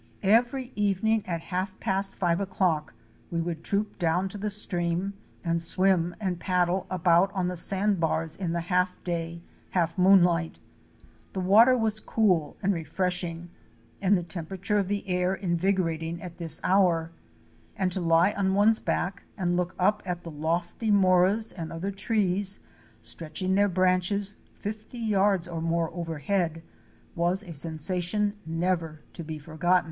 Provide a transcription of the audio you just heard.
Every evening at half past five o'clock we would troop down to the stream and swim and paddle about on the sand bars in the half day — half moonlight. The water was cool and refreshing and the temperature of the air invigorating at this hour, and to lie on one's back and look up at the lofty moras and other trees stretching their branches fifty yards or more overhead was a sensation never to be forgotten.